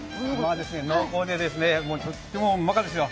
濃厚でとってもうまかですよ！